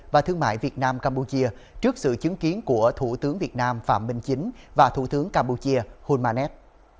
và thương mại việt nam campuchia trước sự chứng kiến của thủ tướng việt nam phạm minh chính và thủ tướng campuchia hulmanet